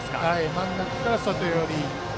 真ん中から外寄り。